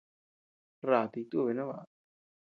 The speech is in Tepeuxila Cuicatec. Rátii jitubi no baʼa.